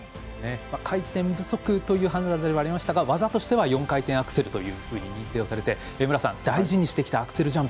回転不足という判断ではありましたが技としては４回転アクセルというふうに認定をされて、大事にしてきたアクセル